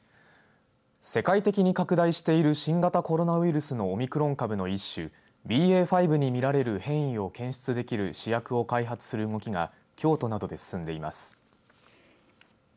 世界的に拡大している新型コロナウイルスのオミクロン株の一種ＢＡ．５に見られる変異を検出できる試薬を開発する動きが京都などで進んでいます。